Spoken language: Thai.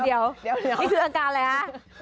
นี่คืออาการอะไรฮะ